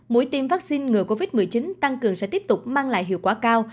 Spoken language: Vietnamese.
mũi tiêm vaccine ngừa covid một mươi chín tăng cường sẽ tiếp tục mang lại hiệu quả cao